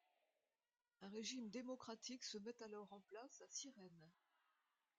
Un régime démocratique se met alors en place à Cyrène.